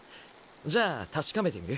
じゃあ確かめてみる？